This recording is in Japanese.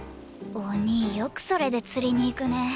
お兄よくそれで釣りに行くね。